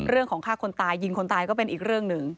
ฆ่าคนตายยิงคนตายก็เป็นอีกเรื่องหนึ่ง